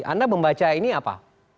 anda membaca ini apa